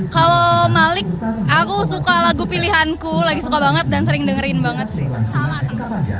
kalau malik aku suka lagu pilihanku lagi suka banget dan sering dengerin banget sih